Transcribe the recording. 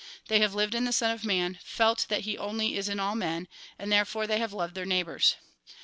They have lived in the Son of Man, felt that he only is in all men, and there fore they have loved their neighbours.